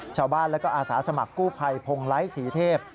ชาวบ้านและก็อาสาสมัครกู้ภัยพงไลท์ศรีเทพ